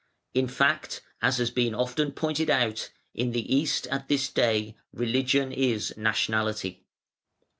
In fact, as has been often pointed out, in the East at this day "Religion is Nationality".